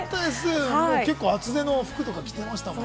結構、厚手の服とか着てましたもん。